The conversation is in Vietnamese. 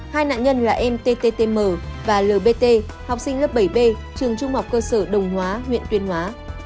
hai nạn nhân là em ttm và lbt học sinh lớp bảy b trường trung học cơ sở đồng hóa huyện tuyên hóa